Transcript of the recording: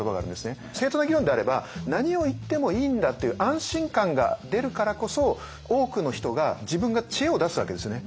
正当な議論であれば何を言ってもいいんだっていう安心感が出るからこそ多くの人が自分が知恵を出すわけですね。